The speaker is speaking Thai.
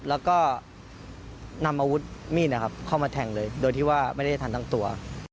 แล้วก็นำอาวุธมีดเข้ามาแทงเลยโดยที่ว่าไม่ได้ทันทั้งตัว